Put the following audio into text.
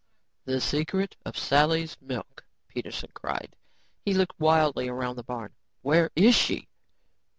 "The secret of Sally's milk," Peterson cried. He looked wildly around the barn. "Where is she?"